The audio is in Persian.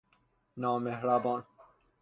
نامﮩربان